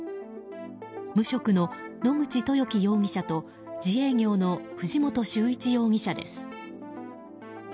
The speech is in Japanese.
無職の野口豊樹容疑者と自営業の藤本宗一容疑者です。